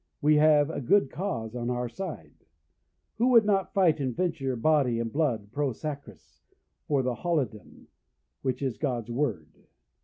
We have a good cause on our side. Who would not fight and venture body and blood, pro Sacris, for the Holidom, which is God's Word?